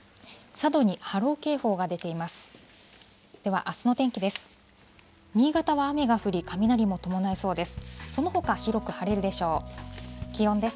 佐渡に波浪警報が出ています。